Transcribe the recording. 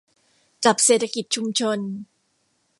กับเศรษฐกิจชุมชน